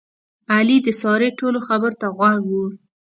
علي د سارې ټولو خبرو ته غوږ و.